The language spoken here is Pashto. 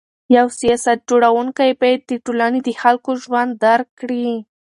یو سیاست جوړونکی باید د ټولني د خلکو ژوند درک کړي.